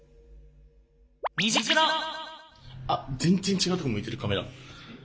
あ全然違うとこ向いてるカメラ。